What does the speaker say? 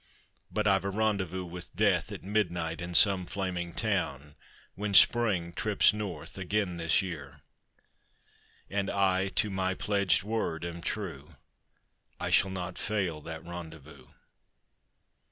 . But I've a rendezvous with Death At midnight in some flaming town, When Spring trips north again this year, And I to my pledged word am true, I shall not fail that rendezvous.